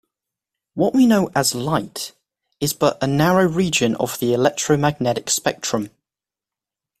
What we know as "light" is but a narrow region of the electromagnetic spectrum.